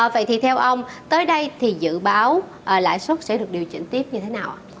vậy thì theo ông tới đây thì dự báo lãi xuất sẽ được điều chỉnh tiếp như thế nào